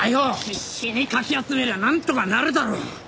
必死にかき集めりゃなんとかなるだろ！